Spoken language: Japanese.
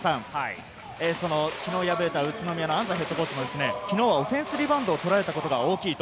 昨日敗れた宇都宮の安齋ヘッドコーチ、昨日はオフェンスリバウンドを取られたことが大きいと。